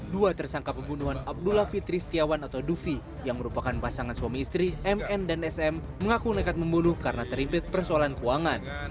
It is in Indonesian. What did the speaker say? dua tersangka pembunuhan abdullah fitri setiawan atau dufi yang merupakan pasangan suami istri mn dan sm mengaku nekat membunuh karena terimpit persoalan keuangan